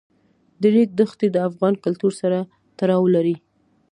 د ریګ دښتې د افغان کلتور سره تړاو لري.